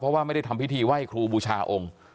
เพราะว่าไม่ได้ทำพิธีไหว้ครูบูชาองค์